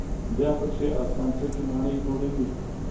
بیا پکې آسمانڅکې ماڼۍ جوړوي.